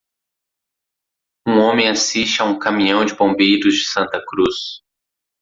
Um homem assiste a um caminhão de bombeiros de Santa Cruz.